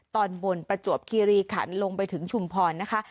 ตอนบนประจวบคีรีขันลงไปถึงชุมพรนะคะ